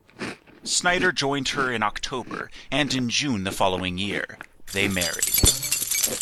Snider joined her in October, and in June the following year, they married.